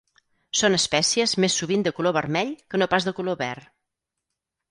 Són espècies més sovint de color vermell que no pas de color verd.